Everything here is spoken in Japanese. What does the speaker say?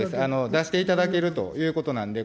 出していただけるということなんで。